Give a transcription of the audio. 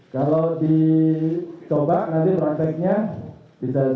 kalau dicoba nanti prakteknya bisa saya minyak